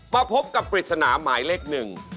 มาพบกับทุกคน